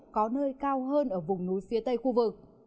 có nơi cao hơn ở vùng núi phía tây khu vực